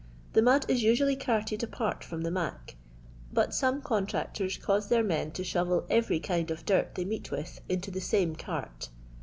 The nrnd is usually carted uart firom the " mac/' but some contractors cause their men to shovel every kind of dirt they meet with into the same cart.